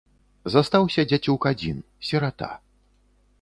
Застаўся дзяцюк адзін, сірата.